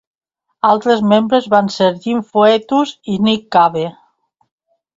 Altres membres van ser Jim Foetus i Nick Cave.